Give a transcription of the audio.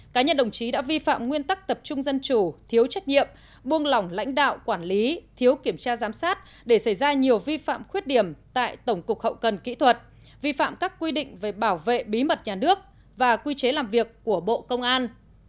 cá nhân đồng chí đã vi phạm nguyên tắc tập trung dân chủ thiếu trách nhiệm buông lỏng lãnh đạo quản lý thiếu kiểm tra giám sát để xảy ra nhiều vi phạm khuyết điểm tại tổng cục hậu cần kỹ thuật vi phạm các quy định về bảo vệ bí mật nhà nước và quy chế làm việc của bộ công an